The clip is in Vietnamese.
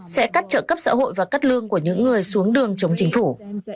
sẽ cắt trợ cấp xã hội và cắt lương của những người xuống đường chống chính phủ